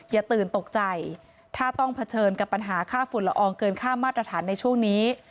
อย่าตื่นตกใจถ้าต้องเผชิญกับปัญหาค่าฝุ่นละอองเกินค่ามาตรฐานในช่วงนี้